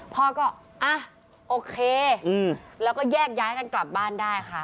พ่อก็อ่ะโอเคแล้วก็แยกย้ายกันกลับบ้านได้ค่ะ